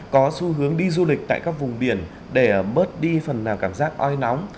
có xu hướng đi du lịch tại các vùng biển để bớt đi phần nào cảm giác oi nóng